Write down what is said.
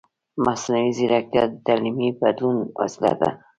مصنوعي ځیرکتیا د تعلیمي بدلون وسیله ده.